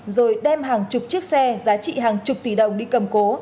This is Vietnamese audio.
rồi đem hàng chục chiếc xe giá trị hàng chục tỷ đồng đi cầm cố